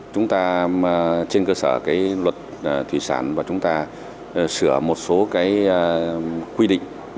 chúng ta trên cơ sở cái luật thủy sản và chúng ta sửa một số cái quy định